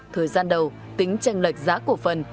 thời gian đầu tính tranh lệch giá cổ phần